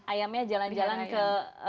ayamnya jalan jalan ke